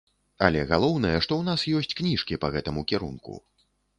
Але галоўнае, што ў нас ёсць кніжкі па гэтаму кірунку.